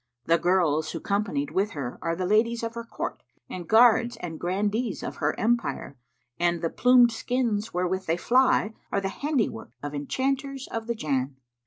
The girls who companied with her are the ladies of her court and guards and grandees of her empire, and the plumed skins wherewith they fly are the handiwork of enchanters of the Jann.